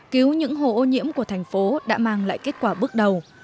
cứu những hồ ô nhiễm của thành phố đã mang lại kết quả bước đầu